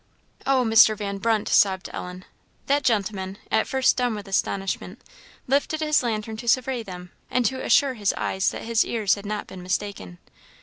"Oh, Mr. Van Brunt!" sobbed Ellen. That gentleman, at first dumb with astonishment, lifted his lantern to survey them, and assure his eyes that his ears had not been mistaken.